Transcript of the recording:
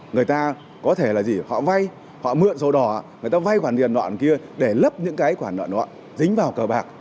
người ta có thể là gì họ vay họ mượn sổ đỏ người ta vay khoản tiền đoạn kia để lấp những cái khoản nợ đó dính vào cờ bạc